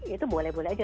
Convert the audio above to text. itu boleh boleh aja